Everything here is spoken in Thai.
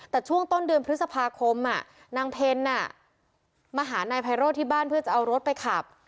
แต่ช่วงต้นเดือนพฤษภาคมนางเพลมาหานายไพโรธที่บ้านเพื่อจะเอารถไปขับ